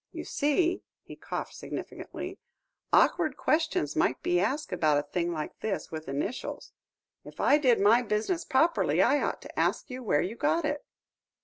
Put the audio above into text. You see," he coughed significantly, "awkward questions might be asked about a thing like this, with initials. If I did my business properly, I ought to ask you where you got it."